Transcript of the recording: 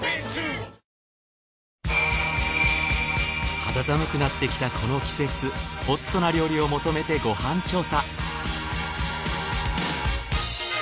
肌寒くなってきたこの季節ホットな料理を求めてご飯調査。